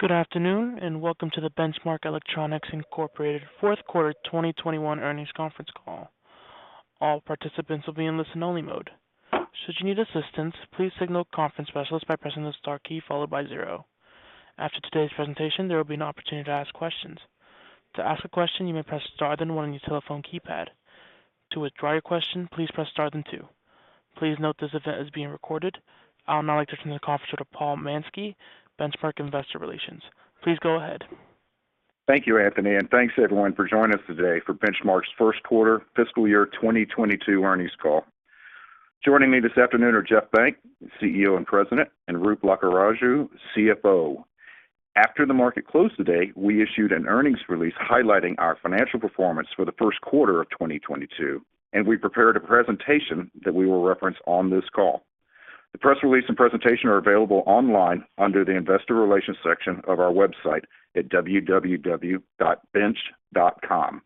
Good afternoon, and welcome to the Benchmark Electronics, Inc. fourth quarter 2021 earnings conference call. All participants will be in listen-only mode. After today's presentation, there will be an opportunity to ask questions. Please note this event is being recorded. I'll now like to turn the conference over to Paul Mansky, Benchmark Investor Relations. Please go ahead. Thank you, Anthony, and thanks everyone for joining us today for Benchmark's first quarter fiscal year 2022 earnings call. Joining me this afternoon are Jeff Benck, CEO and President, and Roop Lakkaraju, CFO. After the market closed today, we issued an earnings release highlighting our financial performance for the first quarter of 2022, and we prepared a presentation that we will reference on this call. The press release and presentation are available online under the Investor Relations section of our website at www.bench.com.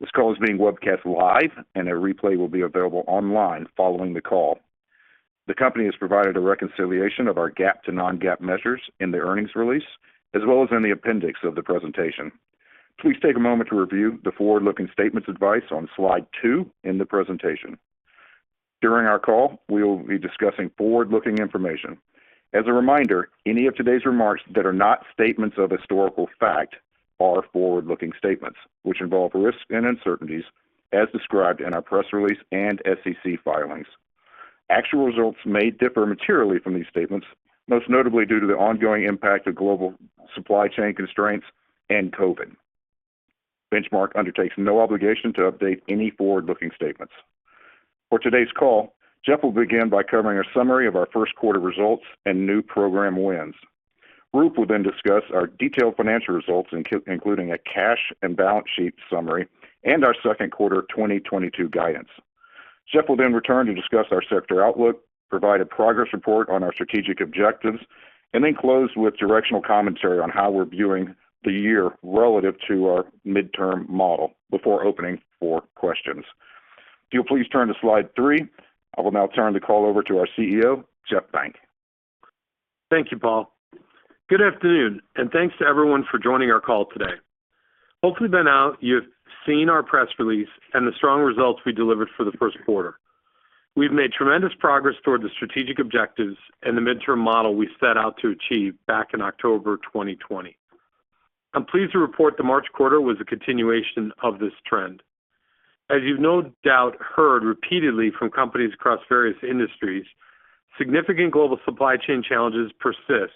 This call is being webcast live, and a replay will be available online following the call. The company has provided a reconciliation of our GAAP to non-GAAP measures in the earnings release, as well as in the appendix of the presentation. Please take a moment to review the forward-looking statements advice on Slide 2 in the presentation. During our call, we will be discussing forward-looking information. As a reminder, any of today's remarks that are not statements of historical fact are forward-looking statements, which involve risks and uncertainties as described in our press release and SEC filings. Actual results may differ materially from these statements, most notably due to the ongoing impact of global supply chain constraints and COVID. Benchmark undertakes no obligation to update any forward-looking statements. For today's call, Jeff will begin by covering a summary of our first quarter results and new program wins. Roop will then discuss our detailed financial results, including a cash and balance sheet summary and our second quarter 2022 guidance. Jeff will then return to discuss our sector outlook, provide a progress report on our strategic objectives, and then close with directional commentary on how we're viewing the year relative to our midterm model before opening for questions. If you'll please turn to Slide 3, I will now turn the call over to our CEO, Jeff Benck. Thank you, Paul. Good afternoon, and thanks to everyone for joining our call today. Hopefully by now you've seen our press release and the strong results we delivered for the first quarter. We've made tremendous progress toward the strategic objectives and the midterm model we set out to achieve back in October 2020. I'm pleased to report the March quarter was a continuation of this trend. As you've no doubt heard repeatedly from companies across various industries, significant global supply chain challenges persist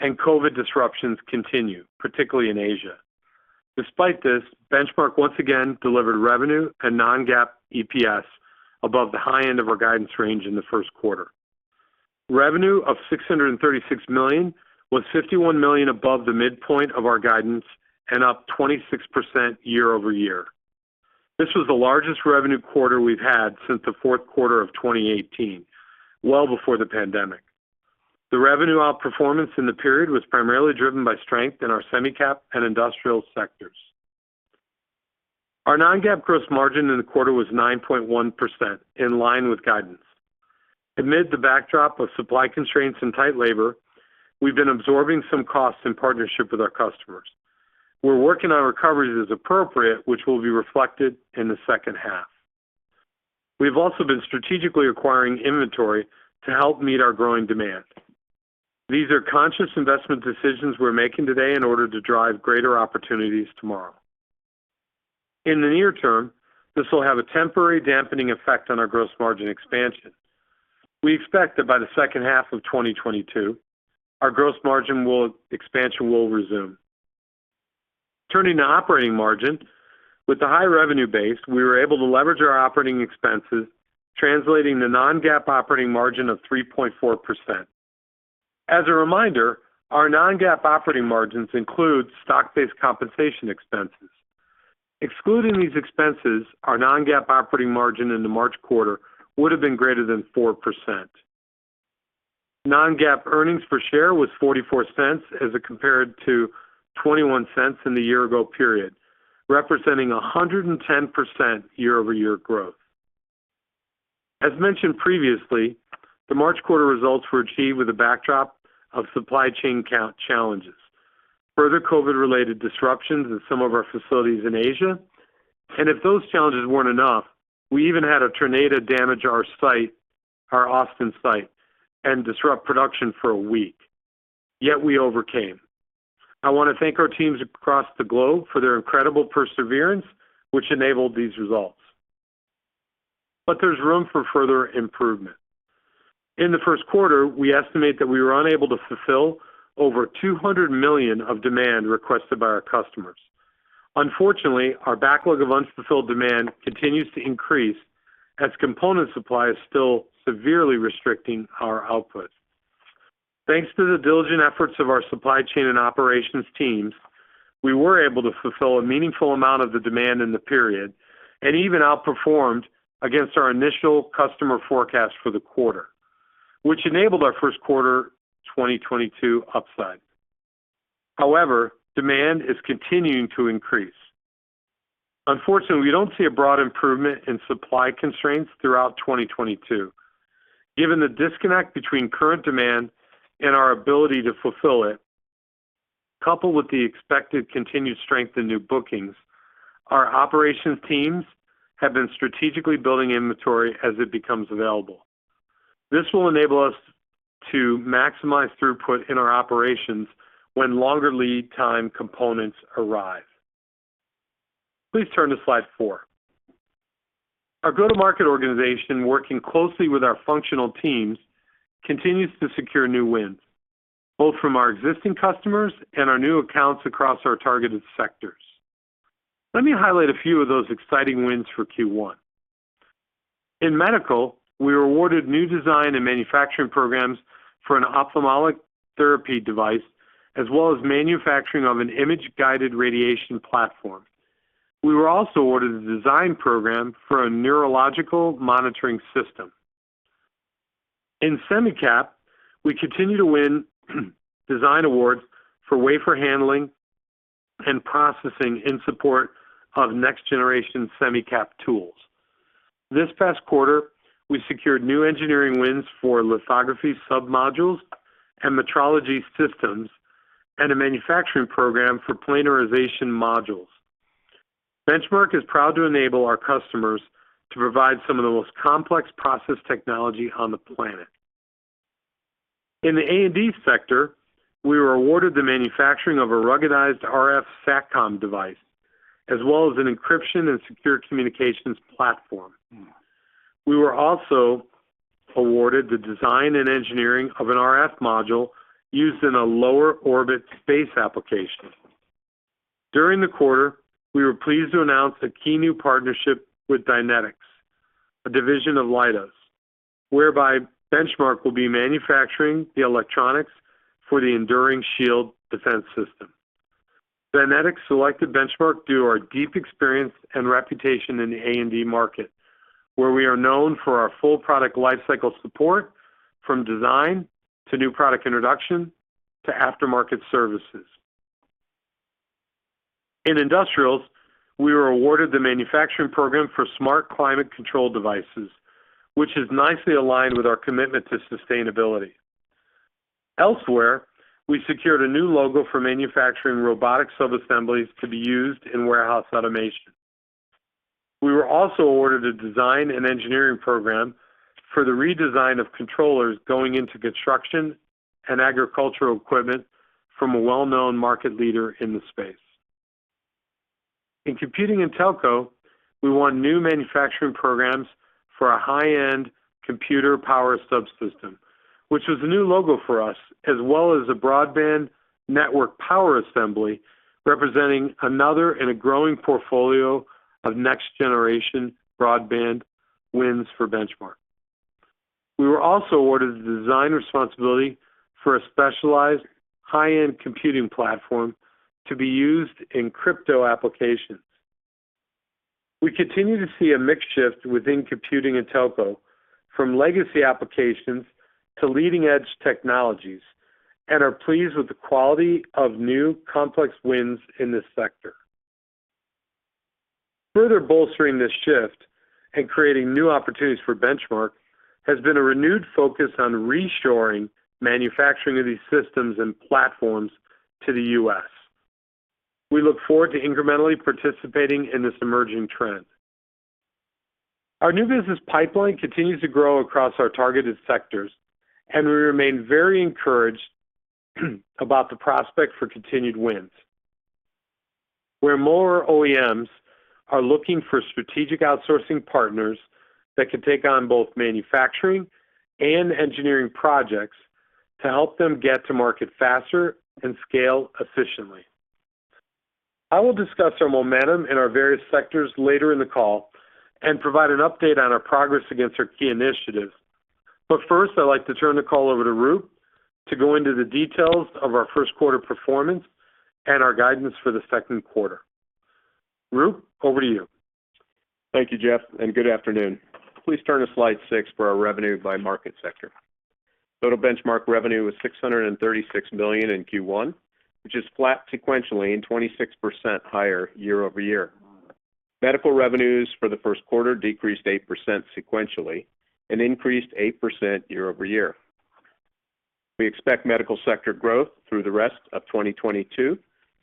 and COVID disruptions continue, particularly in Asia. Despite this, Benchmark once again delivered revenue and non-GAAP EPS above the high end of our guidance range in the first quarter. Revenue of $636 million was $51 million above the midpoint of our guidance and up 26% year-over-year. This was the largest revenue quarter we've had since the fourth quarter of 2018, well before the pandemic. The revenue outperformance in the period was primarily driven by strength in our semi-cap and industrial sectors. Our non-GAAP gross margin in the quarter was 9.1%, in line with guidance. Amid the backdrop of supply constraints and tight labor, we've been absorbing some costs in partnership with our customers. We're working on recoveries as appropriate, which will be reflected in the second half. We've also been strategically acquiring inventory to help meet our growing demand. These are conscious investment decisions we're making today in order to drive greater opportunities tomorrow. In the near term, this will have a temporary dampening effect on our gross margin expansion. We expect that by the second half of 2022, our gross margin expansion will resume. Turning to operating margin. With the high revenue base, we were able to leverage our operating expenses, translating to the non-GAAP operating margin of 3.4%. As a reminder, our non-GAAP operating margins include stock-based compensation expenses. Excluding these expenses, our non-GAAP operating margin in the March quarter would have been greater than 4%. Non-GAAP earnings per share was $0.44 as it compared to $0.21 in the year ago period, representing 110% year-over-year growth. As mentioned previously, the March quarter results were achieved with a backdrop of supply chain challenges, further COVID-related disruptions in some of our facilities in Asia, and if those challenges weren't enough, we even had a tornado damage our site, our Austin site, and disrupt production for a week, yet we overcame. I wanna thank our teams across the globe for their incredible perseverance, which enabled these results. There's room for further improvement. In the first quarter, we estimate that we were unable to fulfill over $200 million of demand requested by our customers. Unfortunately, our backlog of unfulfilled demand continues to increase as component supply is still severely restricting our output. Thanks to the diligent efforts of our supply chain and operations teams, we were able to fulfill a meaningful amount of the demand in the period, and even outperformed against our initial customer forecast for the quarter, which enabled our first quarter 2022 upside. However, demand is continuing to increase. Unfortunately, we don't see a broad improvement in supply constraints throughout 2022. Given the disconnect between current demand and our ability to fulfill it, coupled with the expected continued strength in new bookings, our operations teams have been strategically building inventory as it becomes available. This will enable us to maximize throughput in our operations when longer lead time components arrive. Please turn to Slide 4. Our go-to-market organization, working closely with our functional teams, continues to secure new wins, both from our existing customers and our new accounts across our targeted sectors. Let me highlight a few of those exciting wins for Q1. In medical, we were awarded new design and manufacturing programs for an ophthalmic therapy device, as well as manufacturing of an image-guided radiation platform. We were also awarded a design program for a neurological monitoring system. In semi-cap, we continue to win design awards for wafer handling and processing in support of next-generation semi-cap tools. This past quarter, we secured new engineering wins for lithography submodules and metrology systems, and a manufacturing program for planarization modules. Benchmark is proud to enable our customers to provide some of the most complex process technology on the planet. In the A&D sector, we were awarded the manufacturing of a ruggedized RF SATCOM device, as well as an encryption and secure communications platform. We were also awarded the design and engineering of an RF module used in a lower orbit space application. During the quarter, we were pleased to announce a key new partnership with Dynetics, a division of Leidos, whereby Benchmark will be manufacturing the electronics for the Enduring Shield. Dynetics selected Benchmark due to our deep experience and reputation in the A&D market, where we are known for our full product lifecycle support from design to new product introduction to aftermarket services. In industrials, we were awarded the manufacturing program for smart climate control devices, which is nicely aligned with our commitment to sustainability. Elsewhere, we secured a new logo for manufacturing robotic subassemblies to be used in warehouse automation. We were also awarded a design and engineering program for the redesign of controllers going into construction and agricultural equipment from a well-known market leader in the space. In computing and telco, we won new manufacturing programs for a high-end computer power subsystem, which was a new logo for us, as well as a broadband network power assembly, representing another in a growing portfolio of next-generation broadband wins for Benchmark. We were also awarded the design responsibility for a specialized high-end computing platform to be used in crypto applications. We continue to see a mix shift within computing and telco from legacy applications to leading-edge technologies and are pleased with the quality of new complex wins in this sector. Further bolstering this shift and creating new opportunities for Benchmark has been a renewed focus on reshoring manufacturing of these systems and platforms to the U.S. We look forward to incrementally participating in this emerging trend. Our new business pipeline continues to grow across our targeted sectors, and we remain very encouraged about the prospect for continued wins, where more OEMs are looking for strategic outsourcing partners that can take on both manufacturing and engineering projects to help them get to market faster and scale efficiently. I will discuss our momentum in our various sectors later in the call and provide an update on our progress against our key initiatives, but first I'd like to turn the call over to Ru to go into the details of our first quarter performance and our guidance for the second quarter. Ru, over to you. Thank you, Jeff, and good afternoon. Please turn to Slide 6 for our revenue by market sector. Total Benchmark revenue was $636 million in Q1, which is flat sequentially and 26% higher year-over-year. Medical revenues for the first quarter decreased 8% sequentially and increased 8% year-over-year. We expect medical sector growth through the rest of 2022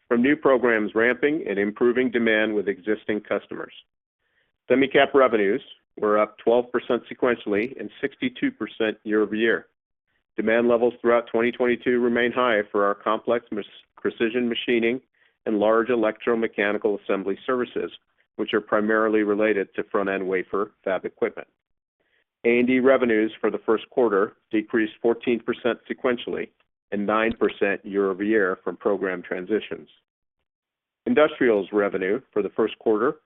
from new programs ramping and improving demand with existing customers. Semi-cap revenues were up 12% sequentially and 62% year-over-year. Demand levels throughout 2022 remain high for our complex precision machining and large electromechanical assembly services, which are primarily related to front-end wafer fab equipment. A&D revenues for the first quarter decreased 14% sequentially and 9% year-over-year from program transitions. Industrials revenue for the first quarter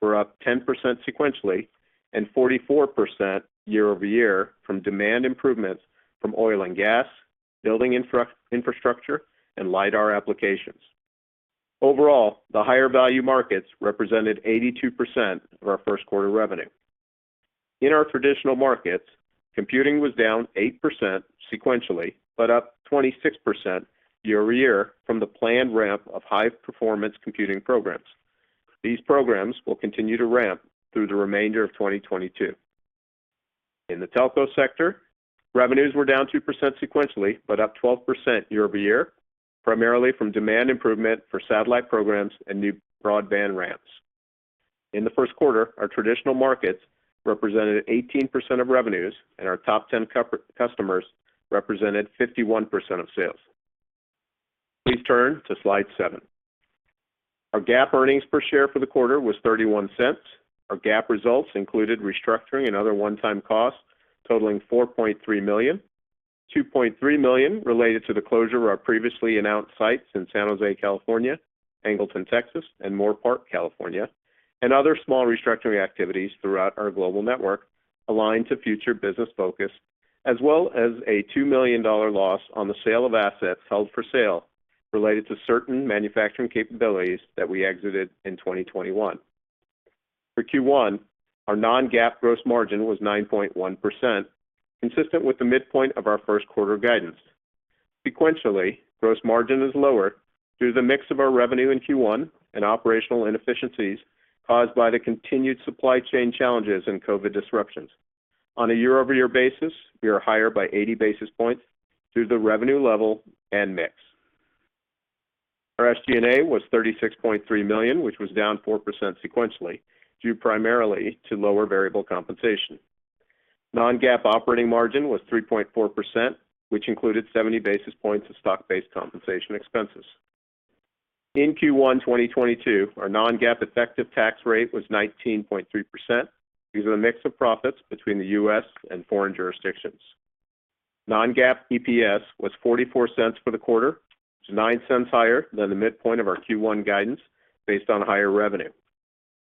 was up 10% sequentially and 44% year-over-year from demand improvements from oil and gas, building infrastructure, and lidar applications. Overall, the higher value markets represented 82% of our first quarter revenue. In our traditional markets, computing was down 8% sequentially, but up 26% year-over-year from the planned ramp of high performance computing programs. These programs will continue to ramp through the remainder of 2022. In the telco sector, revenues were down 2% sequentially, but up 12% year-over-year, primarily from demand improvement for satellite programs and new broadband ramps. In the first quarter, our traditional markets represented 18% of revenues and our top 10 customers represented 51% of sales. Please turn to Slide 7. Our GAAP earnings per share for the quarter was $0.31. Our GAAP results included restructuring and other one-time costs totaling $4.3 million, $2.3 million related to the closure of our previously announced sites in San Jose, California, Angleton, Texas, and Moorpark, California, and other small restructuring activities throughout our global network aligned to future business focus, as well as a $2 million loss on the sale of assets held for sale related to certain manufacturing capabilities that we exited in 2021. For Q1, our non-GAAP gross margin was 9.1%, consistent with the midpoint of our first quarter guidance. Sequentially, gross margin is lower due to the mix of our revenue in Q1 and operational inefficiencies caused by the continued supply chain challenges and COVID disruptions. On a year-over-year basis, we are higher by 80 basis points through the revenue level and mix. Our SG&A was $36.3 million, which was down 4% sequentially, due primarily to lower variable compensation. Non-GAAP operating margin was 3.4%, which included 70 basis points of stock-based compensation expenses. In Q1 2022, our non-GAAP effective tax rate was 19.3% due to the mix of profits between the U.S. and foreign jurisdictions. Non-GAAP EPS was $0.44 for the quarter, which is $0.09 higher than the midpoint of our Q1 guidance based on higher revenue.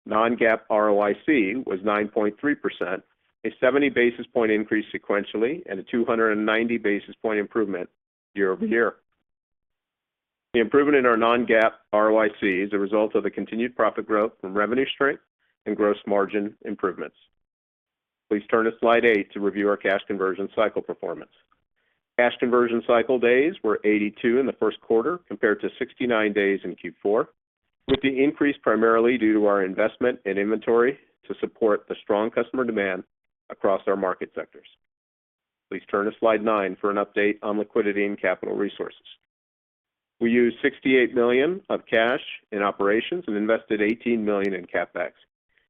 Non-GAAP ROIC was 9.3%, a 70 basis point increase sequentially, and a 290 basis point improvement year-over-year. The improvement in our non-GAAP ROIC is a result of the continued profit growth from revenue strength and gross margin improvements. Please turn to Slide 8 to review our cash conversion cycle performance. Cash conversion cycle days were 82 in the first quarter compared to 69 days in Q4, with the increase primarily due to our investment in inventory to support the strong customer demand across our market sectors. Please turn to Slide 9 for an update on liquidity and capital resources. We used $68 million of cash in operations and invested $18 million in CapEx.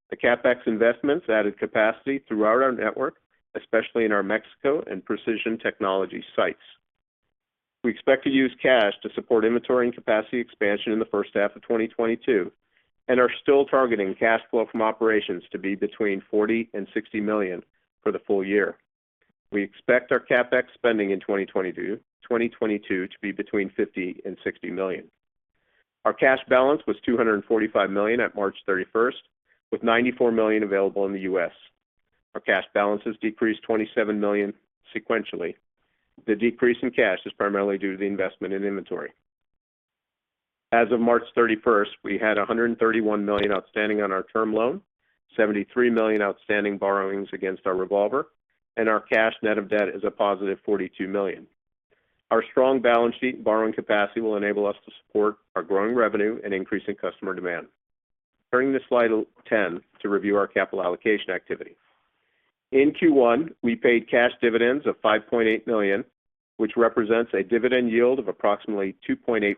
The CapEx investments added capacity throughout our network, especially in our Mexico and Precision Technology sites. We expect to use cash to support inventory and capacity expansion in the first half of 2022, and are still targeting cash flow from operations to be between $40 million and $60 million for the full year. We expect our CapEx spending in 2022 to be between $50 million and $60 million. Our cash balance was $245 million at March 31, with $94 million available in the U.S.. Our cash balances decreased $27 million sequentially. The decrease in cash is primarily due to the investment in inventory. As of March 31, we had $131 million outstanding on our term loan, $73 million outstanding borrowings against our revolver, and our cash net of debt is a positive $42 million. Our strong balance sheet and borrowing capacity will enable us to support our growing revenue and increasing customer demand. Turning to Slide 10 to review our capital allocation activity. In Q1, we paid cash dividends of $5.8 million, which represents a dividend yield of approximately 2.8%.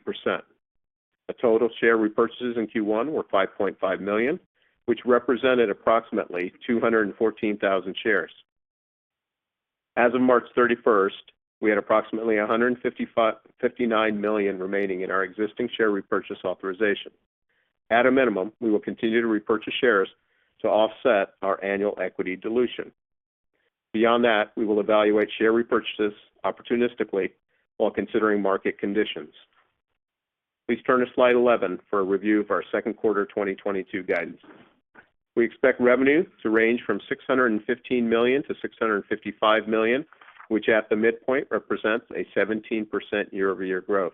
The total share repurchases in Q1 were $5.5 million, which represented approximately 214,000 shares. As of March 31, we had approximately $159 million remaining in our existing share repurchase authorization. At a minimum, we will continue to repurchase shares to offset our annual equity dilution. Beyond that, we will evaluate share repurchases opportunistically while considering market conditions. Please turn to Slide 11 for a review of our second quarter 2022 guidance. We expect revenue to range from $615 million- $655 million, which at the midpoint represents 17% year-over-year growth.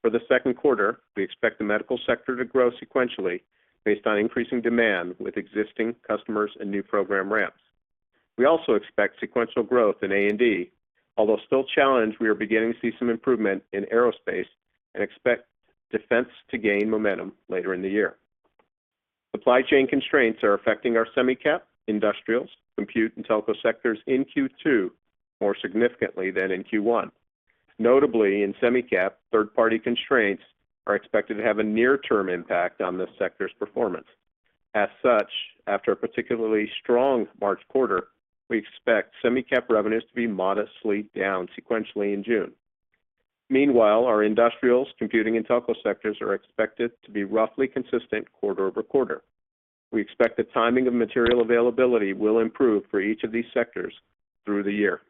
For the second quarter, we expect the medical sector to grow sequentially based on increasing demand with existing customers and new program ramps. We also expect sequential growth in A&D. Although still challenged, we are beginning to see some improvement in aerospace and expect defense to gain momentum later in the year. Supply chain constraints are affecting our semi-cap, industrials, compute, and telco sectors in Q2 more significantly than in Q1. Notably, in semi-cap, third-party constraints are expected to have a near-term impact on this sector's performance. As such, after a particularly strong March quarter, we expect semi-cap revenues to be modestly down sequentially in June. Meanwhile, our industrials, computing, and telco sectors are expected to be roughly consistent quarter over quarter. We expect the timing of material availability will improve for each of these sectors through the year.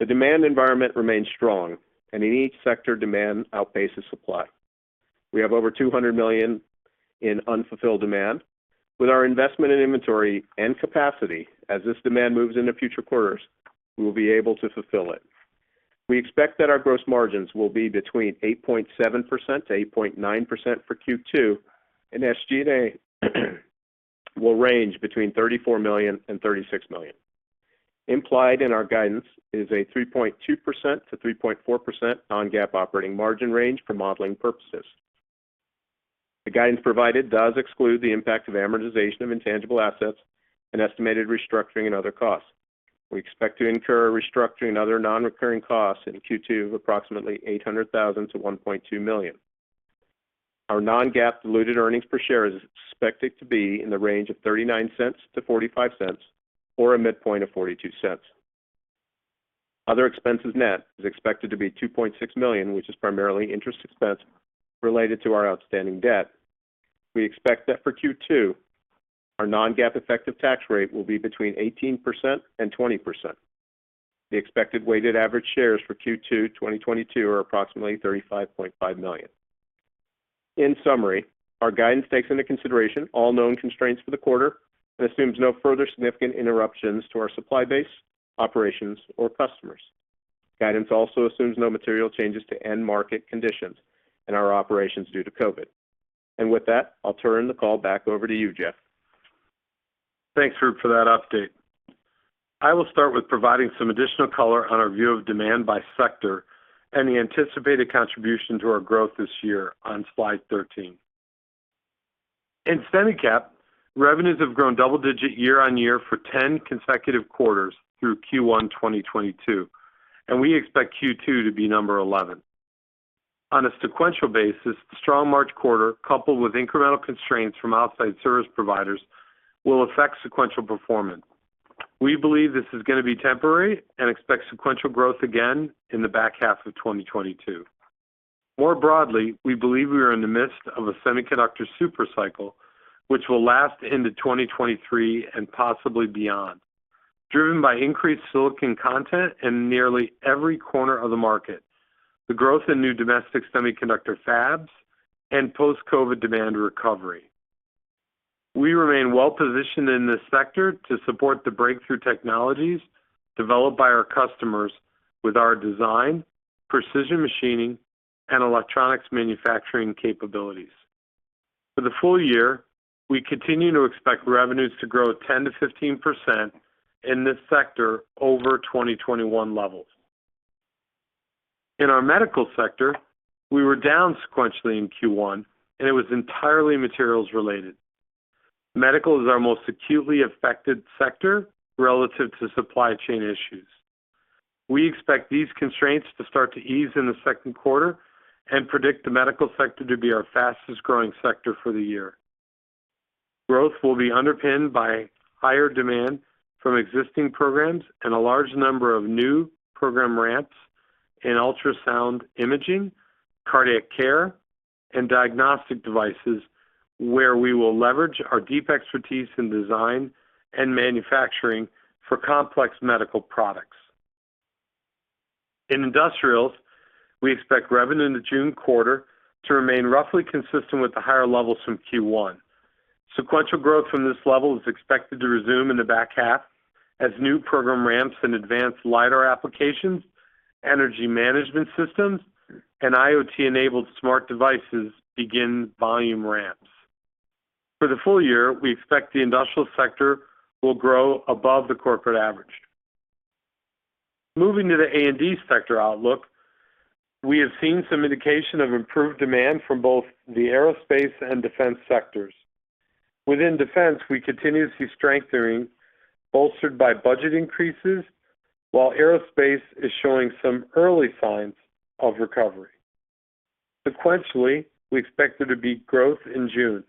The demand environment remains strong, and in each sector, demand outpaces supply. We have over $200 million in unfulfilled demand. With our investment in inventory and capacity, as this demand moves into future quarters, we will be able to fulfill it. We expect that our gross margins will be between 8.7% to 8.9% for Q2, and SG&A will range between $34 million and $36 million. Implied in our guidance is a 3.2% to 3.4% non-GAAP operating margin range for modeling purposes. The guidance provided does exclude the impact of amortization of intangible assets and estimated restructuring and other costs. We expect to incur restructuring and other non-recurring costs in Q2 of approximately $800,000 to $1.2 million. Our non-GAAP diluted earnings per share is expected to be in the range of $0.39 to $0.45 or a midpoint of $0.42. Other expenses net is expected to be $2.6 million, which is primarily interest expense related to our outstanding debt. We expect that for Q2, our non-GAAP effective tax rate will be between 18% and 20%. The expected weighted average shares for Q2 2022 are approximately 35.5 million. In summary, our guidance takes into consideration all known constraints for the quarter and assumes no further significant interruptions to our supply base, operations, or customers. Guidance also assumes no material changes to end market conditions and our operations due to COVID. With that, I'll turn the call back over to you, Jeff. Thanks, Roop, for that update. I will start with providing some additional color on our view of demand by sector and the anticipated contribution to our growth this year on Slide 13. In semiconductor, revenues have grown double-digit year-on-year for 10 consecutive quarters through Q1 2022, and we expect Q2 to be Number 11. On a sequential basis, the strong March quarter, coupled with incremental constraints from outside service providers, will affect sequential performance. We believe this is gonna be temporary and expect sequential growth again in the back1/2 of 2022. More broadly, we believe we are in the midst of a semiconductor super cycle, which will last into 2023 and possibly beyond, driven by increased silicon content in nearly every corner of the market, the growth in new domestic semiconductor fabs, and post-COVID demand recovery. We remain well-positioned in this sector to support the breakthrough technologies developed by our customers with our design, precision machining, and electronics manufacturing capabilities. For the full year, we continue to expect revenues to grow at 10%-15% in this sector over 2021 levels. In our medical sector, we were down sequentially in Q1, and it was entirely materials related. Medical is our most acutely affected sector relative to supply chain issues. We expect these constraints to start to ease in the second quarter and predict the medical sector to be our fastest-growing sector for the year. Growth will be underpinned by higher demand from existing programs and a large number of new program ramps in ultrasound imaging, cardiac care, and diagnostic devices where we will leverage our deep expertise in design and manufacturing for complex medical products. In industrials, we expect revenue in the June quarter to remain roughly consistent with the higher levels from Q1. Sequential growth from this level is expected to resume in the back 1/2 as new program ramps in advanced lidar applications, energy management systems, and IoT-enabled smart devices begin volume ramps. For the full year, we expect the industrial sector will grow above the corporate average. Moving to the A&D sector outlook, we have seen some indication of improved demand from both the aerospace and defense sectors. Within defense, we continue to see strengthening bolstered by budget increases, while aerospace is showing some early signs of recovery. Sequentially, we expect there to be growth in June,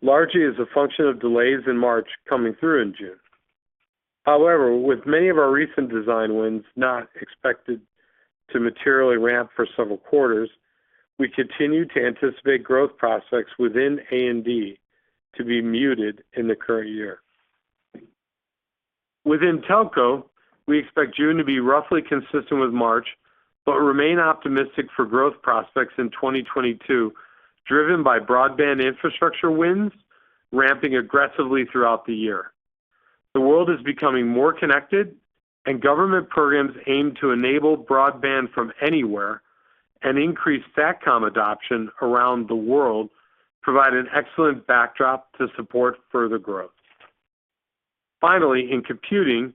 largely as a function of delays in March coming through in June. However, with many of our recent design wins not expected to materially ramp for several quarters, we continue to anticipate growth prospects within A&D to be muted in the current year. Within telco, we expect June to be roughly consistent with March, but remain optimistic for growth prospects in 2022, driven by broadband infrastructure wins ramping aggressively throughout the year. The world is becoming more connected, and government programs aim to enable broadband from anywhere, and increased SATCOM adoption around the world provide an excellent backdrop to support further growth. Finally, in computing,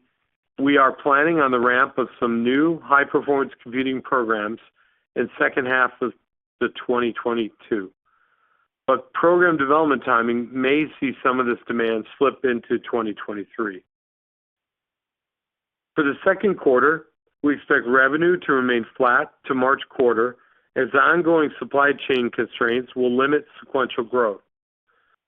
we are planning on the ramp of some new high-performance computing programs in the second half of 2022. Program development timing may see some of this demand slip into 2023. For the second quarter, we expect revenue to remain flat to March quarter as the ongoing supply chain constraints will limit sequential growth.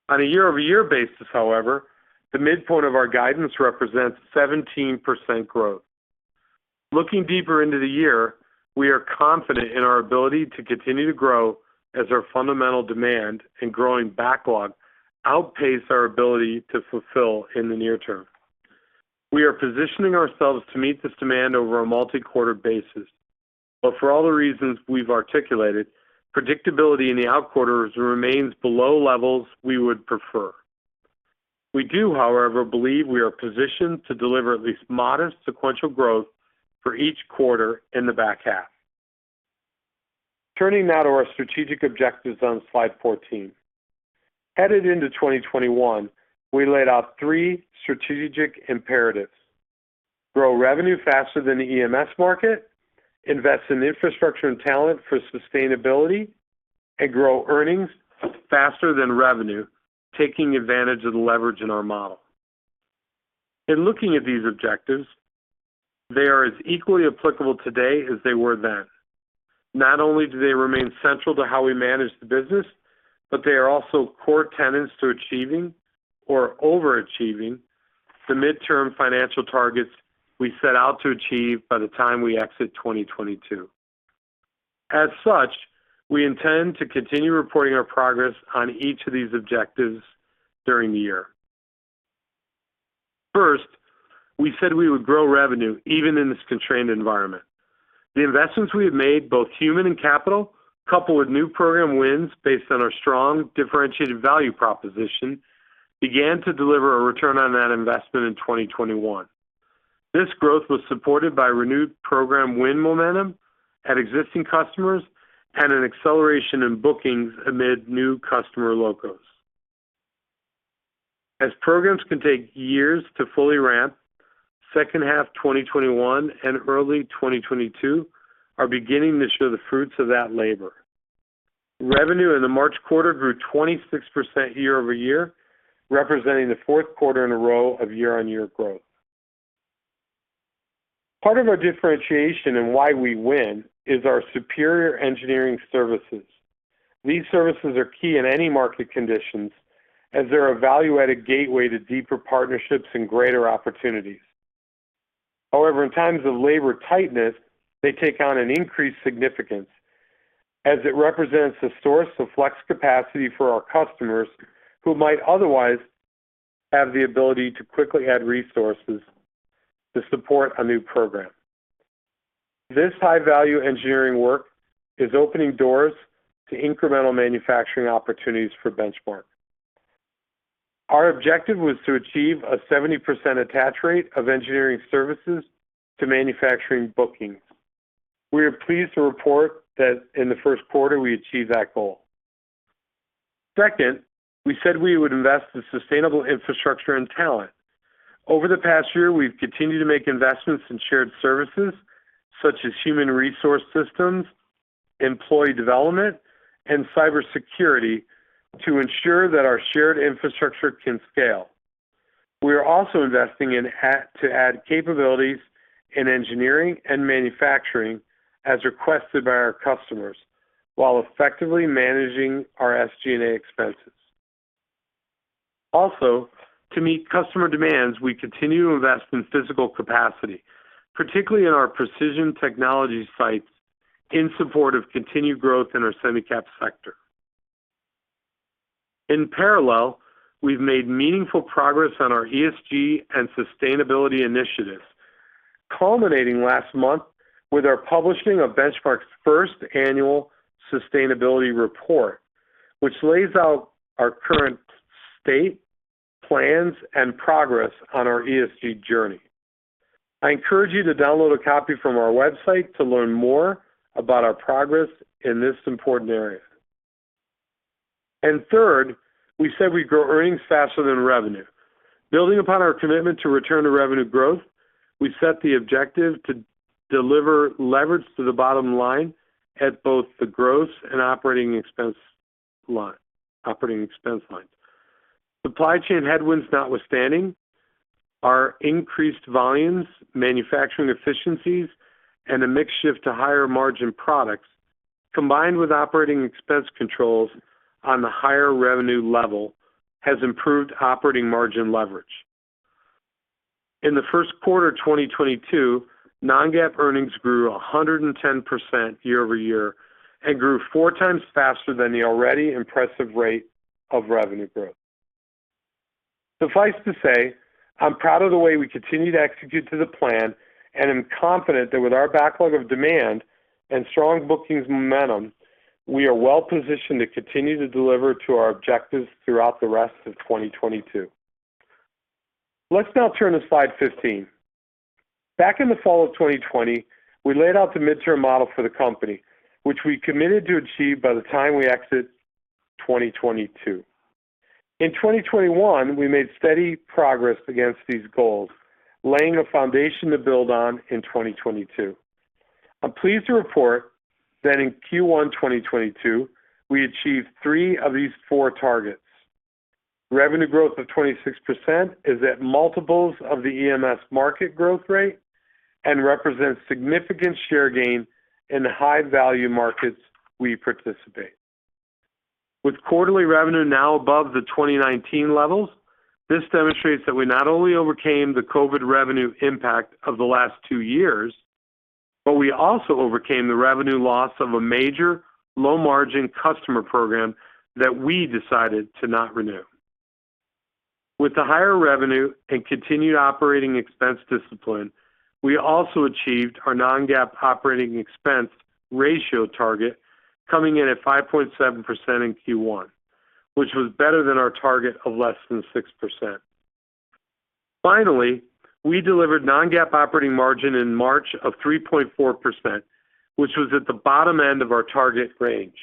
On a year-over-year basis, however, the midpoint of our guidance represents 17% growth. Looking deeper into the year, we are confident in our ability to continue to grow as our fundamental demand and growing backlog outpace our ability to fulfill in the near term. We are positioning ourselves to meet this demand over a multi-quarter basis. For all the reasons we've articulated, predictability in the outer quarters remains below levels we would prefer. We do, however, believe we are positioned to deliver at least modest sequential growth for each quarter in the back 1/2. Turning now to our strategic objectives on Slide 14. Headed into 2021, we laid out three strategic imperatives. Grow revenue faster than the EMS market, invest in infrastructure and talent for sustainability, and grow earnings faster than revenue, taking advantage of the leverage in our model. In looking at these objectives, they are as equally applicable today as they were then. Not only do they remain central to how we manage the business, but they are also core tenets to achieving or overachieving the midterm financial targets we set out to achieve by the time we exit 2022. As such, we intend to continue reporting our progress on each of these objectives during the year. First, we said we would grow revenue even in this constrained environment. The investments we have made, both human and capital, coupled with new program wins based on our strong differentiated value proposition, began to deliver a return on that investment in 2021. This growth was supported by renewed program win momentum at existing customers and an acceleration in bookings amid new customer logos. As programs can take years to fully ramp, second half 2021 and early 2022 are beginning to show the fruits of that labor. Revenue in the March quarter grew 26% year-over-year, representing the fourth quarter in a row of year-over-year growth. Part of our differentiation and why we win is our superior engineering services. These services are key in any market conditions as they're a value-added gateway to deeper partnerships and greater opportunities. However, in times of labor tightness, they take on an increased significance as it represents a source of flex capacity for our customers who might otherwise have the ability to quickly add resources to support a new program. This high-value engineering work is opening doors to incremental manufacturing opportunities for Benchmark. Our objective was to achieve a 70% attach rate of engineering services to manufacturing bookings. We are pleased to report that in the first quarter we achieved that goal. Second, we said we would invest in sustainable infrastructure and talent. Over the past year, we've continued to make investments in shared services such as human resource systems, employee development, and cybersecurity to ensure that our shared infrastructure can scale. We are also investing to add capabilities in engineering and manufacturing as requested by our customers, while effectively managing our SG&A expenses. Also, to meet customer demands, we continue to invest in physical capacity, particularly in our Precision Technology sites in support of continued growth in our semi-cap sector. In parallel, we've made meaningful progress on our ESG and sustainability initiatives, culminating last month with our publishing of Benchmark's first annual sustainability report, which lays out our current state, plans, and progress on our ESG journey. I encourage you to download a copy from our website to learn more about our progress in this important area. Third, we said we'd grow earnings faster than revenue. Building upon our commitment to return to revenue growth, we set the objective to deliver leverage to the bottom line at both the gross and operating expense line, operating expense lines. Supply chain headwinds notwithstanding, our increased volumes, manufacturing efficiencies, and a mix shift to higher margin products, combined with operating expense controls on the higher revenue level, has improved operating margin leverage. In the first quarter of 2022, non-GAAP earnings grew 110% year-over-year and grew four times faster than the already impressive rate of revenue growth. Suffice to say, I'm proud of the way we continue to execute to the plan and am confident that with our backlog of demand and strong bookings momentum, we are well-positioned to continue to deliver to our objectives throughout the rest of 2022. Let's now turn to Slide 15. Back in the fall of 2020, we laid out the midterm model for the company, which we committed to achieve by the time we exit 2022. In 2021, we made steady progress against these goals, laying a foundation to build on in 2022. I'm pleased to report that in Q1 2022, we achieved three of these four targets. Revenue growth of 26% is at multiples of the EMS market growth rate and represents significant share gain in the high-value markets we participate. With quarterly revenue now above the 2019 levels, this demonstrates that we not only overcame the COVID revenue impact of the last two years, but we also overcame the revenue loss of a major low-margin customer program that we decided to not renew. With the higher revenue and continued operating expense discipline, we also achieved our non-GAAP operating expense ratio target coming in at 5.7% in Q1, which was better than our target of less than 6%. Finally, we delivered non-GAAP operating margin in March of 3.4%, which was at the bottom end of our target range.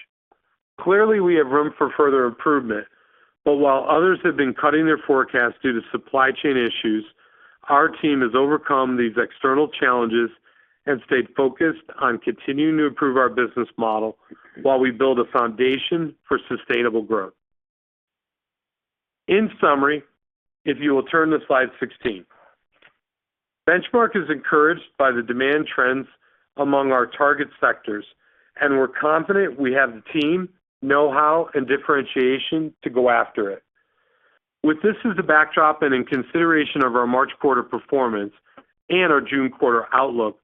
Clearly, we have room for further improvement, but while others have been cutting their forecast due to supply chain issues, our team has overcome these external challenges and stayed focused on continuing to improve our business model while we build a foundation for sustainable growth. In summary, if you will turn to Slide 16. Benchmark is encouraged by the demand trends among our target sectors, and we're confident we have the team, know-how, and differentiation to go after it. With this as a backdrop and in consideration of our March quarter performance and our June quarter outlook,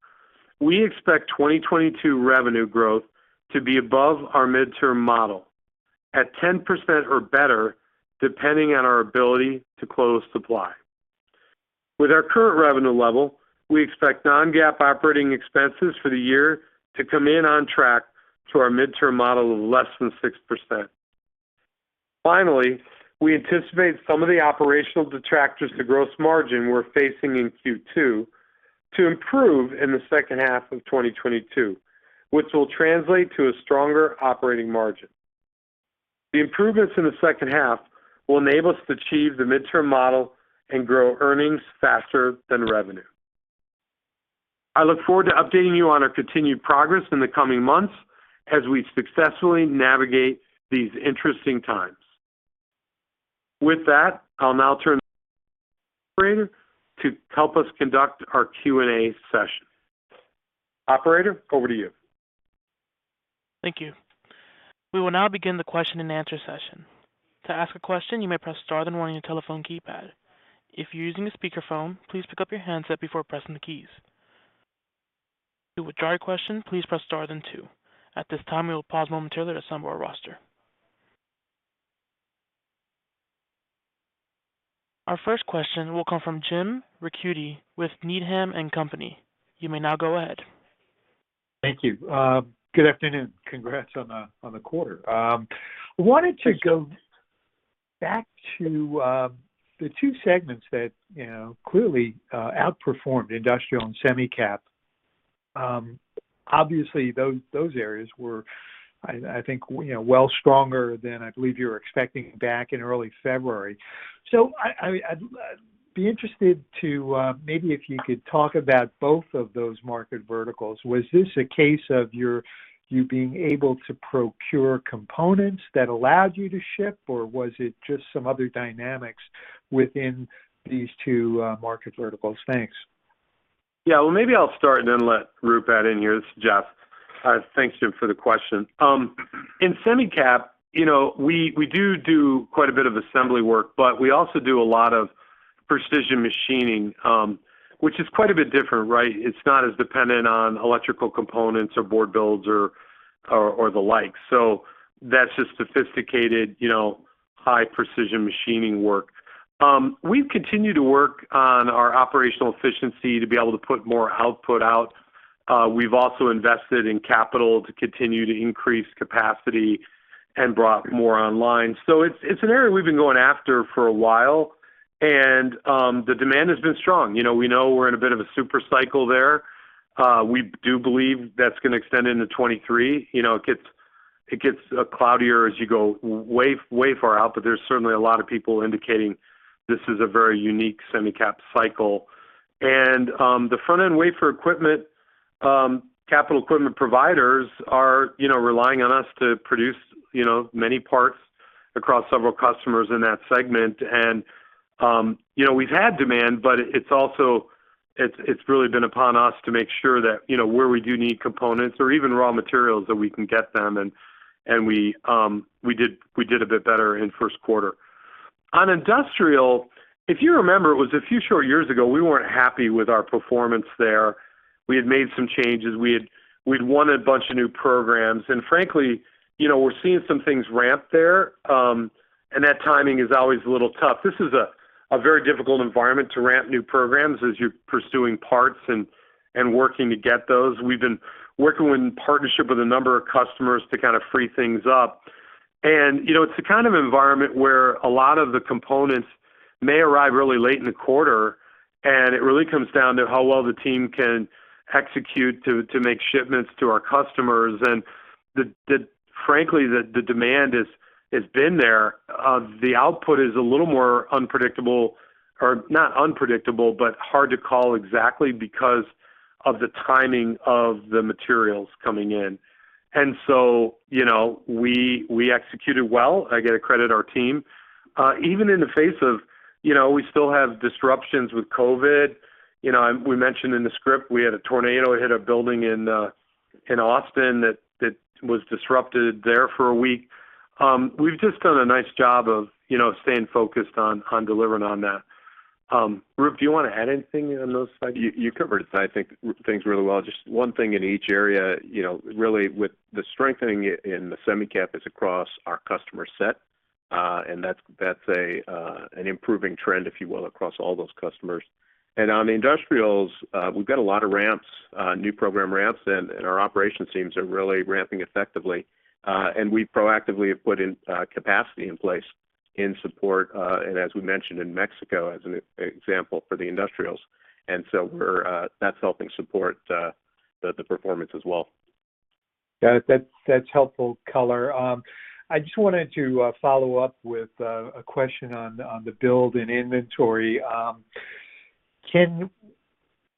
we expect 2022 revenue growth to be above our midterm model at 10% or better, depending on our ability to close supply. With our current revenue level, we expect non-GAAP operating expenses for the year to come in on track to our midterm model of less than 6%. Finally, we anticipate some of the operational detractors to gross margin we're facing in Q2 to improve in the second half of 2022, which will translate to a stronger operating margin. The improvements in the second half will enable us to achieve the midterm model and grow earnings faster than revenue. I look forward to updating you on our continued progress in the coming months as we successfully navigate these interesting times. With that, I'll now turn to operator to help us conduct our Q&A session. Operator, over to you. Thank you. We will now begin the question-and-answer session. Our first question will come from Jim Ricchiuti with Needham & Company. You may now go ahead. Thank you. Good afternoon. Congrats on the quarter. Wanted to go back to the two segments that, you know, clearly outperformed Industrial and semi-cap. Obviously, those areas were, I think, you know, way stronger than I believe you were expecting back in early February. I'd be interested to maybe if you could talk about both of those market verticals. Was this a case of you being able to procure components that allowed you to ship, or was it just some other dynamics within these two market verticals? Thanks. Yeah. Well, maybe I'll start and then let Roop add in here. This is Jeff. Thanks, Jim, for the question. In semi-cap, you know, we do quite a bit of assembly work, but we also do a lot of precision machining, which is quite a bit different, right? It's not as dependent on electrical components or board builds or the like. So that's just sophisticated, you know, high-precision machining work. We've continued to work on our operational efficiency to be able to put more output out. We've also invested in capital to continue to increase capacity and brought more online. So it's an area we've been going after for a while, and the demand has been strong. You know, we know we're in a bit of a super cycle there. We do believe that's gonna extend into 2023. You know, it gets cloudier as you go way far out, but there's certainly a lot of people indicating this is a very unique semi-cap cycle. The front-end wafer fab equipment capital equipment providers are, you know, relying on us to produce, you know, many parts across several customers in that segment. You know, we've had demand, but it's also, it's really been upon us to make sure that, you know, where we do need components or even raw materials, that we can get them and we did a bit better in first quarter. On industrial, if you remember, it was a few short years ago, we weren't happy with our performance there. We had made some changes. We'd won a bunch of new programs, and frankly, you know, we're seeing some things ramp there, and that timing is always a little tough. This is a very difficult environment to ramp new programs as you're pursuing parts and working to get those. We've been working with in partnership with a number of customers to kind of free things up. You know, it's the kind of environment where a lot of the components may arrive really late in the quarter, and it really comes down to how well the team can execute to make shipments to our customers. Frankly, the demand has been there. The output is a little more unpredictable or not unpredictable, but hard to call exactly because of the timing of the materials coming in. You know, we executed well. I gotta credit our team. Even in the face of, you know, we still have disruptions with COVID. You know, we mentioned in the script we had a tornado hit a building in Austin that was disrupted there for a week. We've just done a nice job of, you know, staying focused on delivering on that. Roop, do you wanna add anything on those Slides? You covered, I think, things really well. Just one thing in each area, you know, really with the strengthening in the semi-cap is across our customer set, and that's an improving trend, if you will, across all those customers. On the industrials, we've got a lot of ramps, new program ramps, and our operations teams are really ramping effectively. We proactively have put in capacity in place in support, and as we mentioned in Mexico as an example for the industrials. That's helping support the performance as well. Yeah, that's helpful color. I just wanted to follow up with a question on the build and inventory. Can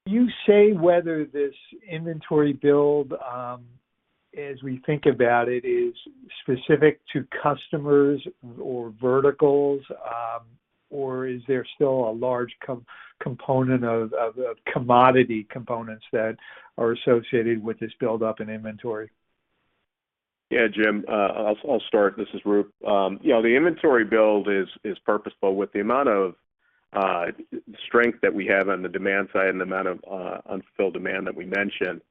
you say whether this inventory build, as we think about it, is specific to customers or verticals? Or is there still a large component of commodity components that are associated with this buildup in inventory? Yeah, Jim. I'll start. This is Roop. You know, the inventory build is purposeful. With the amount of strength that we have on the demand side and the amount of unfulfilled demand that we mentioned,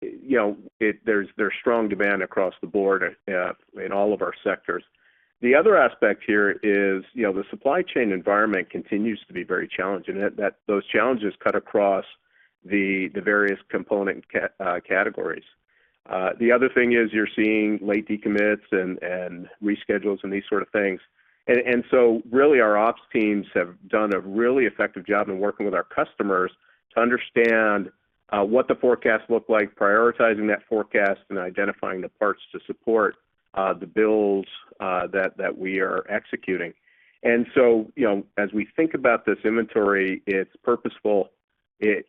you know, there's strong demand across the board in all of our sectors. The other aspect here is, you know, the supply chain environment continues to be very challenging, and those challenges cut across the various component categories. The other thing is you're seeing late decommits and reschedules and these sort of things. Really our ops teams have done a really effective job in working with our customers to understand what the forecasts look like, prioritizing that forecast, and identifying the parts to support the builds that we are executing. You know, as we think about this inventory, it's purposeful. It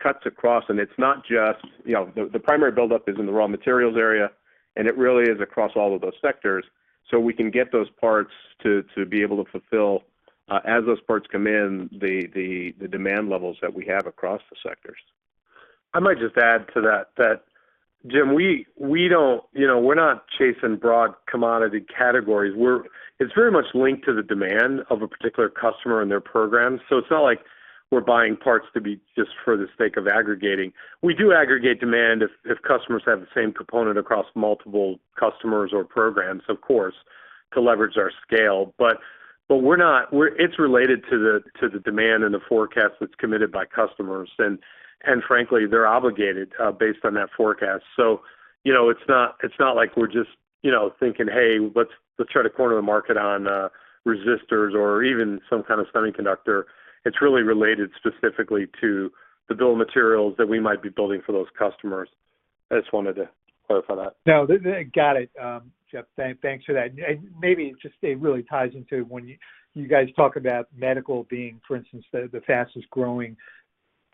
cuts across, and it's not just you know, the primary buildup is in the raw materials area, and it really is across all of those sectors, so we can get those parts to be able to fulfill as those parts come in the demand levels that we have across the sectors. I might just add to that, Jim, we don't, you know, we're not chasing broad commodity categories. It's very much linked to the demand of a particular customer and their program. It's not like we're buying parts to be just for the sake of aggregating. We do aggregate demand if customers have the same component across multiple customers or programs, of course, to leverage our scale. But we're not. It's related to the demand and the forecast that's committed by customers. And frankly, they're obligated based on that forecast. So, you know, it's not like we're just, you know, thinking, "Hey, let's try to corner the market on resistors or even some kind of semiconductor." It's really related specifically to the bill of materials that we might be building for those customers. I just wanted to clarify that. No, they got it, Jeff. Thanks for that. Maybe just it really ties into when you guys talk about medical being, for instance, the fastest-growing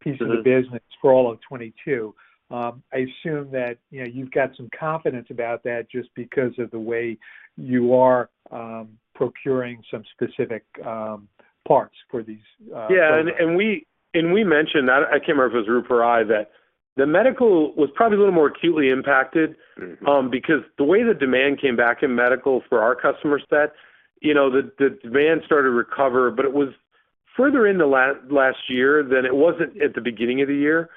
piece of the business for all of 2022, I assume that, you know, you've got some confidence about that just because of the way you are procuring some specific parts for these, Yeah. We mentioned that, I can't remember if it was Roop or I, that the medical was probably a little more acutely impacted. Mm-hmm. Because the way the demand came back in Medical for our customer set, you know, the demand started to recover, but it was further in the last year than it was at the beginning of the year.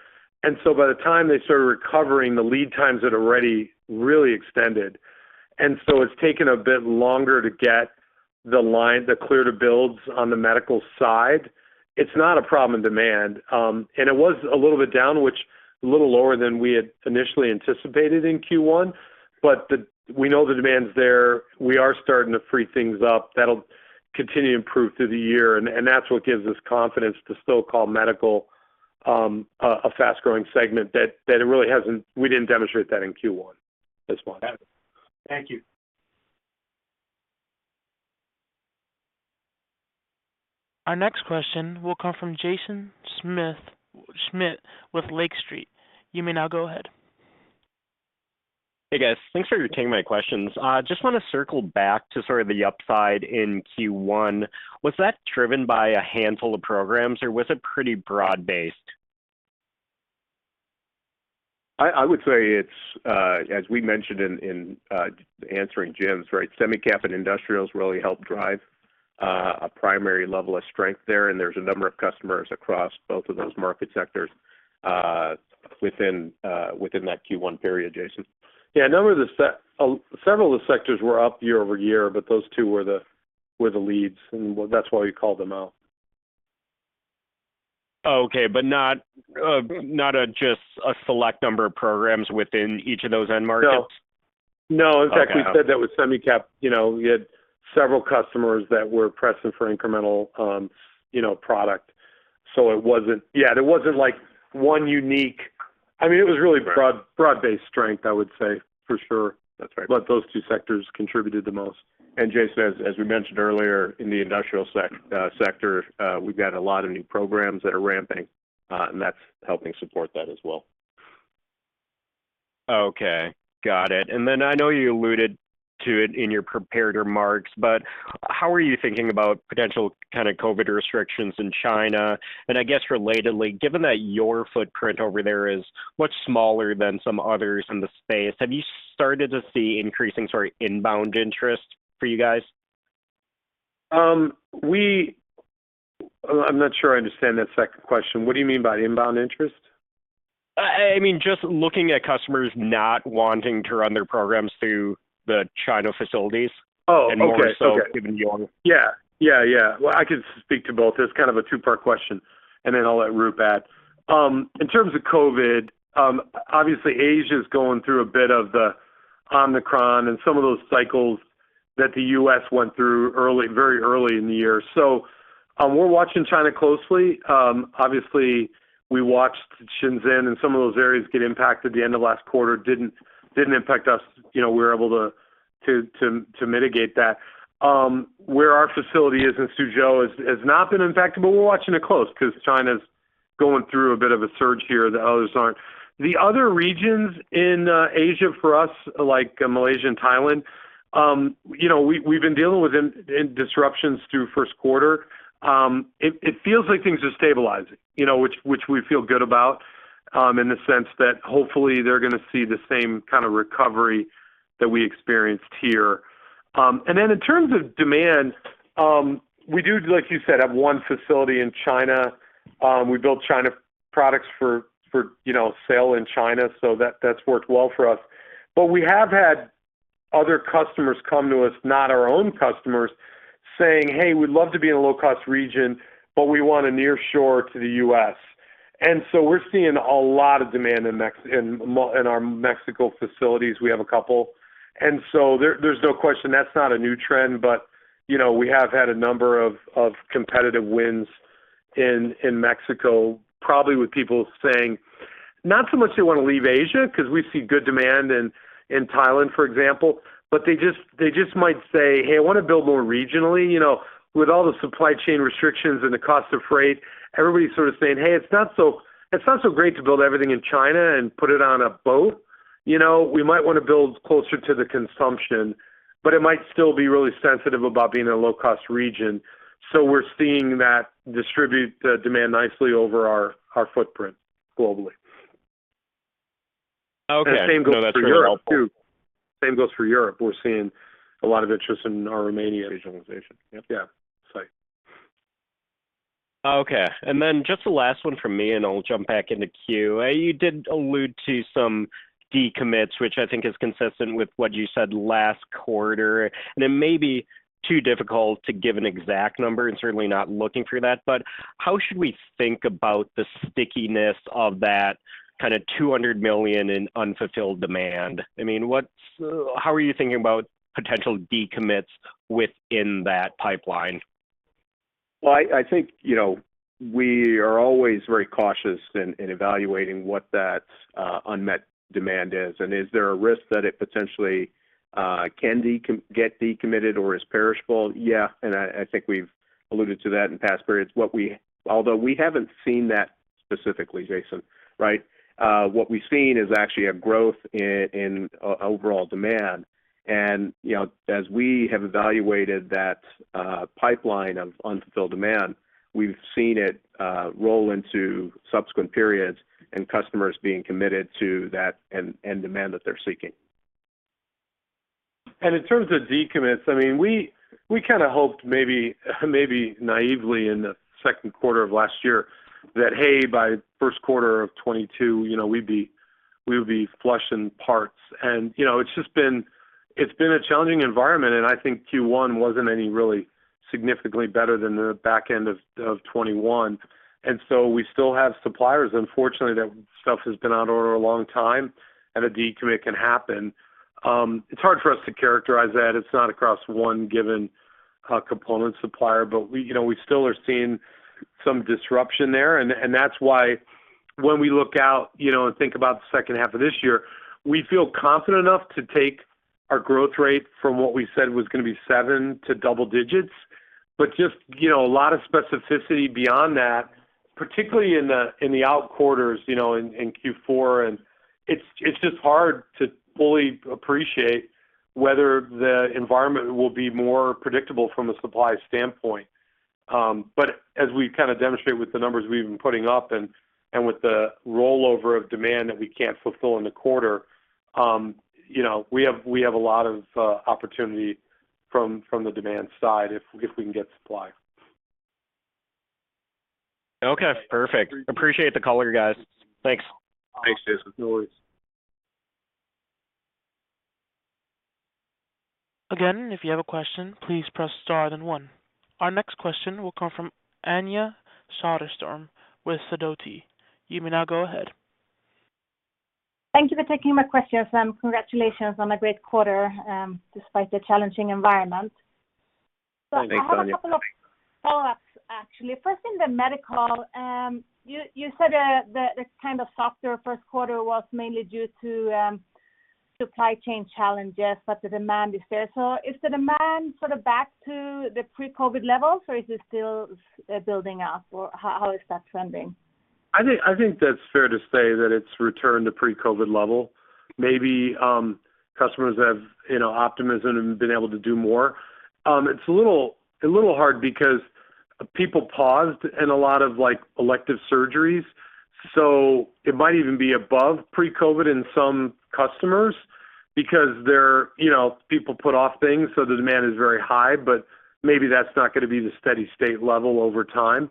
By the time they started recovering, the lead times had already really extended. It's taken a bit longer to get the line, the clearance to build on the Medical side. It's not a problem in demand. It was a little bit down, which was a little lower than we had initially anticipated in Q1. We know the demand's there. We are starting to free things up. That'll continue to improve through the year, and that's what gives us confidence to still call Medical a fast-growing segment that it really hasn't. We didn't demonstrate that in Q1 as well. Got it. Thank you. Our next question will come from Jaeson Schmidt with Lake Street. You may now go ahead. Hey, guys. Thanks for taking my questions. Just wanna circle back to sort of the upside in Q1. Was that driven by a handful of programs, or was it pretty broad-based? I would say it's as we mentioned in answering Jim's right, semi-cap and Industrials really help drive a primary level of strength there, and there's a number of customers across both of those market sectors within that Q1 period, Jason. Yeah. Several of the sectors were up year-over-year, but those two were the leads, and that's why we called them out. Oh, okay. Not just a select number of programs within each of those end markets? No. Okay. In fact, we said that with semi-cap, you know, we had several customers that were pressing for incremental, you know, product. It wasn't like one unique. I mean, it was really broad-based strength, I would say, for sure. That's right. Those two sectors contributed the most. Jaeson, as we mentioned earlier, in the industrial sector, we've got a lot of new programs that are ramping, and that's helping support that as well. Okay, got it. I know you alluded to it in your prepared remarks, but how are you thinking about potential kind of COVID restrictions in China? I guess relatedly, given that your footprint over there is much smaller than some others in the space, have you started to see increasing sort of inbound interest for you guys? I'm not sure I understand that second question. What do you mean by inbound interest? I mean, just looking at customers not wanting to run their programs through the China facilities. Oh, okay. More so given. Yeah. Well, I could speak to both. It's kind of a two-part question, and then I'll let Roop add. In terms of COVID, obviously Asia is going through a bit of the Omicron and some of those cycles that the U.S. went through very early in the year. We're watching China closely. Obviously we watched Shenzhen and some of those areas get impacted the end of last quarter. Didn't impact us. You know, we were able to mitigate that. Where our facility is in Suzhou has not been impacted, but we're watching it close 'cause China's going through a bit of a surge here. The others aren't. The other regions in Asia for us, like Malaysia and Thailand, you know, we've been dealing with disruptions through first quarter. It feels like things are stabilizing, you know, which we feel good about, in the sense that hopefully they're gonna see the same kind of recovery that we experienced here. Then in terms of demand, we do, like you said, have one facility in China. We build Chinese products for, you know, sale in China, so that's worked well for us. We have had other customers come to us, not our own customers, saying, "Hey, we'd love to be in a low-cost region, but we want to nearshore to the U.S." We're seeing a lot of demand in our Mexico facilities. We have a couple. There's no question that's not a new trend. You know, we have had a number of competitive wins in Mexico, probably with people saying, not so much they wanna leave Asia, 'cause we see good demand in Thailand, for example, but they just might say, "Hey, I wanna build more regionally." You know, with all the supply chain restrictions and the cost of freight, everybody's sort of saying, "Hey, it's not so great to build everything in China and put it on a boat. You know, we might wanna build closer to the consumption," but it might still be really sensitive about being in a low-cost region. We're seeing that distribute the demand nicely over our footprint globally. Okay. The same goes for Europe too. No, that's very helpful. Same goes for Europe. We're seeing a lot of interest in our Romania regionalization. Yeah. Yeah. Sorry. Okay. Then just the last one from me, and I'll jump back in the queue. You did allude to some decommits, which I think is consistent with what you said last quarter. It may be too difficult to give an exact number, and certainly not looking for that, but how should we think about the stickiness of that kinda $200 million in unfulfilled demand? I mean, how are you thinking about potential decommits within that pipeline? Well, I think, you know, we are always very cautious in evaluating what that unmet demand is. Is there a risk that it potentially can get decommitted or is perishable? Yeah, I think we've alluded to that in past periods. Although we haven't seen that specifically, Jaeson, right? What we've seen is actually a growth in overall demand. You know, as we have evaluated that pipeline of unfulfilled demand, we've seen it roll into subsequent periods and customers being committed to that and demand that they're seeking. In terms of decommits, I mean, we kinda hoped naively in the second quarter of last year that, hey, by first quarter of 2022, you know, we would be flushing parts. You know, it's just been. It's been a challenging environment, and I think Q1 wasn't any really significantly better than the back end of 2021. We still have suppliers, unfortunately, that stuff has been on order a long time and a decommit can happen. It's hard for us to characterize that. It's not across one given component supplier. We, you know, we still are seeing some disruption there. That's why when we look out, you know, and think about the second 1/2 of this year, we feel confident enough to take our growth rate from what we said was gonna be seven to double digits. Just, you know, a lot of specificity beyond that, particularly in the out quarters, you know, in Q4. It's just hard to fully appreciate whether the environment will be more predictable from a supply standpoint. As we kinda demonstrate with the numbers we've been putting up and with the rollover of demand that we can't fulfill in the quarter, you know, we have a lot of opportunity from the demand side if we can get supply. Okay, perfect. Appreciate the color, guys. Thanks. Thanks, Jason. No worries. Again, if you have a question, please press star then one. Our next question will come from Anja Soderstrom with Sidoti. You may now go ahead. Thank you for taking my questions, and congratulations on a great quarter, despite the challenging environment. Thanks, Anja. I have a couple of follow-ups, actually. First, in the medical, you said the kind of softer first quarter was mainly due to supply chain challenges, but the demand is there. Is the demand sort of back to the pre-COVID levels, or is it still building up? How is that trending? I think that's fair to say that it's returned to pre-COVID level. Maybe customers have, you know, optimism and been able to do more. It's a little hard because People paused in a lot of like elective surgeries. It might even be above pre-COVID in some customers because they're, you know, people put off things, so the demand is very high, but maybe that's not gonna be the steady-state level over time.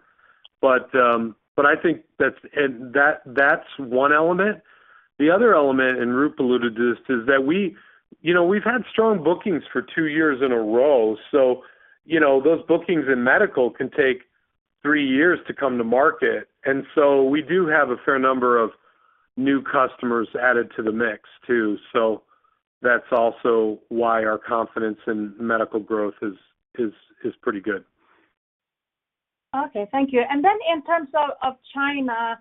I think that's one element. The other element, and Roop alluded to this, is that we, you know, we've had strong bookings for two years in a row, so, you know, those bookings in medical can take three years to come to market. We do have a fair number of new customers added to the mix too. That's also why our confidence in medical growth is pretty good. Okay. Thank you. In terms of China,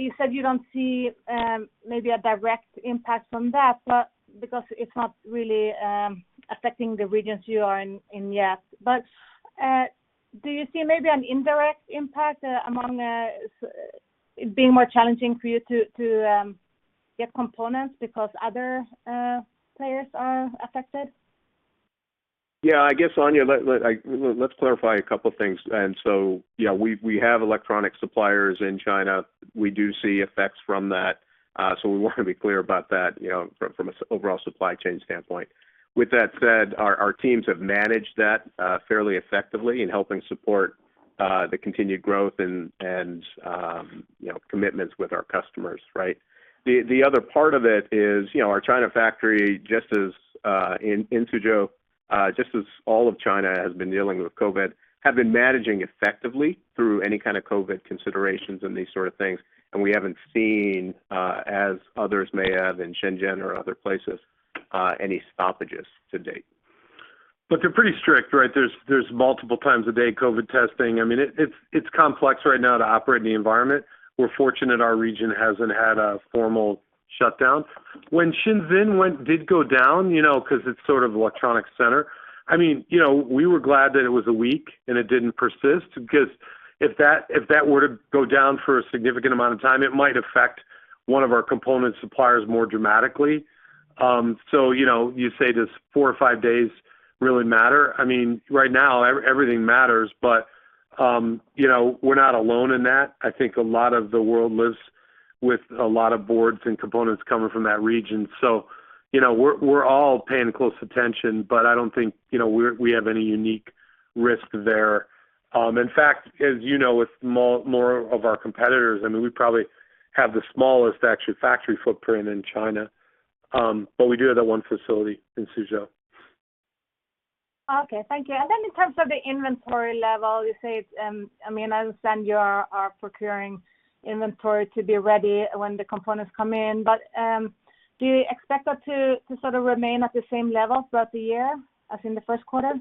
you said you don't see maybe a direct impact from that, but because it's not really affecting the regions you are in yet. Do you see maybe an indirect impact on it being more challenging for you to get components because other players are affected? Yeah, I guess, Anja, let's clarify a couple things. Yeah, we have electronic suppliers in China. We do see effects from that. We want to be clear about that, you know, from an overall supply chain standpoint. With that said, our teams have managed that fairly effectively in helping support the continued growth and, you know, commitments with our customers, right? The other part of it is, you know, our China factory just as in Suzhou, just as all of China has been dealing with COVID, have been managing effectively through any kind of COVID considerations and these sort of things. We haven't seen, as others may have in Shenzhen or other places, any stoppages to date. They're pretty strict, right? There's multiple times a day COVID testing. I mean, it's complex right now to operate in the environment. We're fortunate our region hasn't had a formal shutdown. When Shenzhen did go down, you know, 'cause it's sort of electronics center, I mean, you know, we were glad that it was a week and it didn't persist because if that were to go down for a significant amount of time, it might affect one of our component suppliers more dramatically. You know, you say does four or five days really matter? I mean, right now everything matters, but, you know, we're not alone in that. I think a lot of the world lives with a lot of boards and components coming from that region. You know, we're all paying close attention, but I don't think, you know, we have any unique risk there. In fact, as you know, with more of our competitors, I mean, we probably have the smallest actual factory footprint in China. But we do have that one facility in Suzhou. Okay. Thank you. In terms of the inventory level, you say it's, I mean, I understand you are procuring inventory to be ready when the components come in. But, do you expect that to sort of remain at the same level throughout the year as in the first quarter?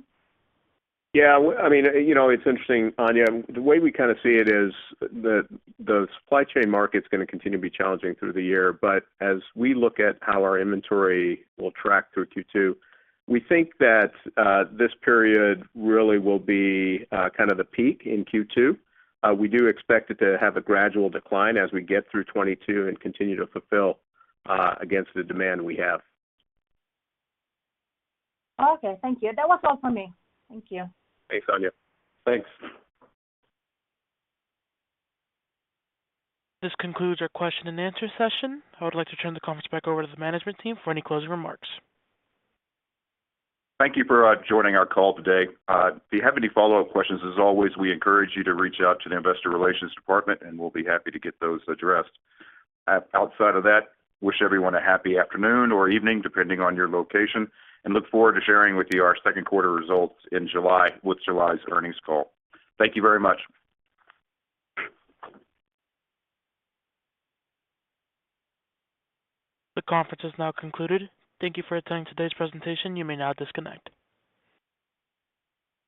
Yeah. I mean, you know, it's interesting, Anja. The way we kinda see it is the supply chain market's gonna continue to be challenging through the year. As we look at how our inventory will track through Q2, we think that this period really will be kind of the peak in Q2. We do expect it to have a gradual decline as we get through 2022 and continue to fulfill against the demand we have. Okay. Thank you. That was all for me. Thank you. Thanks, Anja. Thanks. This concludes our question and answer session. I would like to turn the conference back over to the management team for any closing remarks. Thank you for joining our call today. If you have any follow-up questions, as always, we encourage you to reach out to the investor relations department, and we'll be happy to get those addressed. Outside of that, wish everyone a happy afternoon or evening, depending on your location, and look forward to sharing with you our second quarter results in July with July's earnings call. Thank you very much. The conference has now concluded. Thank you for attending today's presentation. You may now disconnect.